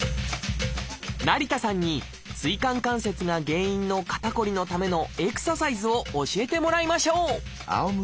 成田さんに椎間関節が原因の肩こりのためのエクササイズを教えてもらいましょう！